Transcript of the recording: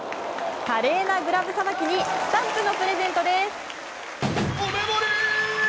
華麗なグラブさばきにスタンプのプレゼントです。